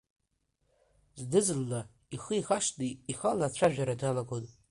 Зны-зынла ихы ихашҭны ихала ацәажәара далагон.